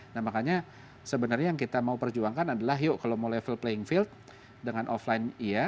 nah makanya sebenarnya yang kita mau perjuangkan adalah yuk kalau mau level playing field dengan offline iya